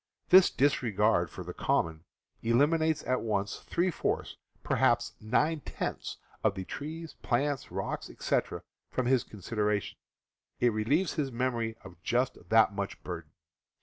This disregard for the common eliminates at once three fourths, perhaps nine tenths, of the trees, plants, rocks, etc., from his consideration; it relieves his memory of just that much burden.